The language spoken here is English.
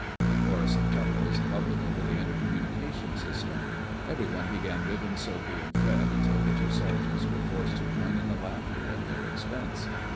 A chorus of chuckles bubbled over the intercommunication system. Everyone began ribbing Soapy and Fred, until the two sergeants were forced to join in the laughter at their expense.